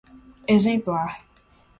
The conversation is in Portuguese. exemplar